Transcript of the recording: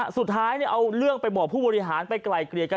สุดท้ายเอาเรื่องไปบอกผู้บริหารไปไกลเกลี่ยกัน